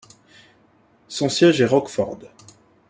Son siège est Rockford.